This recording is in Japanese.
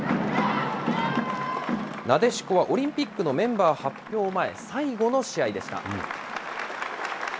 なでしこはオリンピックのメンバー発表前、最後の試合でした。